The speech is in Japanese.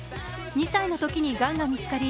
２歳のときにがんが見つかり